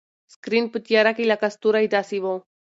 سکرین په تیاره کې لکه ستوری داسې و.